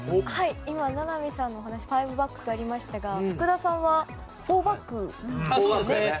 今、名波さんのお話５バックとありましたが福田さんは４バック。